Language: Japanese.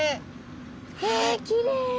えきれい！